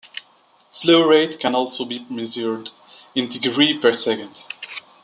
Slew rate can also be measured in degrees per second.